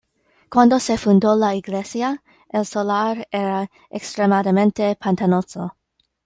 Cuando se fundó la iglesia, el solar era extremadamente pantanoso.